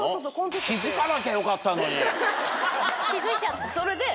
気付いちゃった。